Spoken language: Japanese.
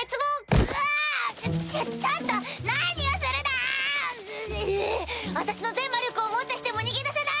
ぐぅ私の全魔力をもってしても逃げ出せない！